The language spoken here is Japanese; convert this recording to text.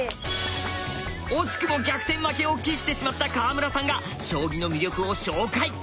惜しくも逆転負けを喫してしまった川村さんが将棋の魅力を紹介！